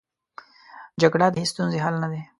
جګړه د هېڅ ستونزې حل نه ده